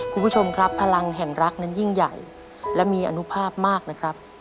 คุณผู้ชมครับพลังแห่งรักนั้นยิ่งใหญ่และมีอนุภาพมากนะครับ